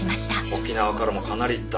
沖縄からもかなり行った。